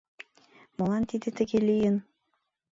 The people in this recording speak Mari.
Молан тиде тыге лийын?